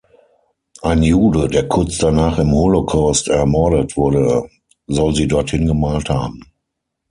Ein Jude, der kurz danach im Holocaust ermordet wurde, soll sie dorthin gemalt haben.